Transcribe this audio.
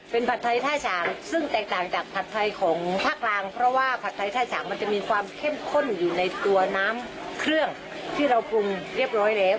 เป็นผัดไทยท่าฉางซึ่งแตกต่างจากผัดไทยของภาคกลางเพราะว่าผัดไทยท่าฉางมันจะมีความเข้มข้นอยู่ในตัวน้ำเครื่องที่เราปรุงเรียบร้อยแล้ว